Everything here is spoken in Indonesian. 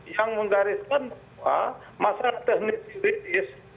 yang menggariskan bahwa masyarakat teknis teknis